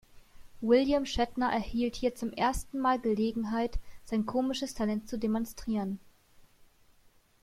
William Shatner erhielt hier zum ersten Mal Gelegenheit, sein komisches Talent zu demonstrieren.